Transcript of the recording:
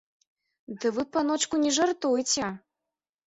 Ды вы, паночку, не жартуйце!